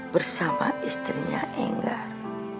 bersama istrinya enggar